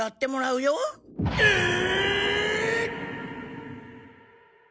ええ！！